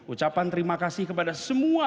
ucapan terima kasih kepada semua